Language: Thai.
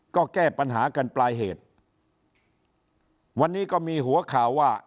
ก็แก้ปัญหากันปลายเหตุวันนี้ก็มีหัวข่าวว่า